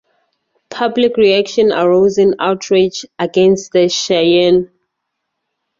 Public reaction arose in outrage against the Cheyenne.